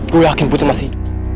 gue yakin putri masih